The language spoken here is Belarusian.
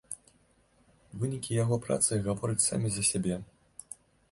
Вынікі яго працы гавораць самі за сябе.